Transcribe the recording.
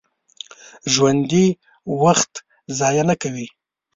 ژوندي وخت ضایع نه کوي